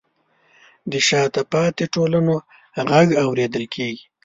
د شاته پاتې ټولنو غږ اورېدل کیږي.